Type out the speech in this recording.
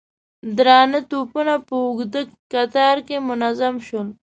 درانه توپونه په اوږده کتار کې منظم شول.